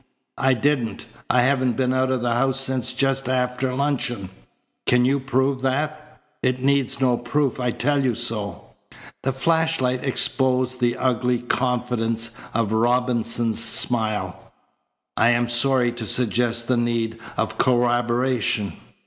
I didn't. I haven't been out of the house since just after luncheon." "Can you prove that?" "It needs no proof. I tell you so." The flashlight exposed the ugly confidence of Robinson's smile. "I am sorry to suggest the need of corroboration."